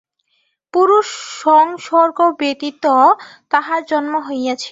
পুরুষসংসর্গ ব্যতীত তাঁহার জন্ম হইয়াছিল।